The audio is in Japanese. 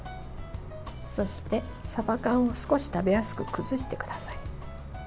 そして、さば缶を少し食べやすく崩してください。